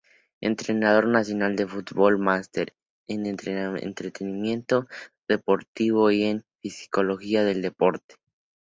Entrenador nacional de fútbol, máster en entrenamiento deportivo y en psicología del deporte.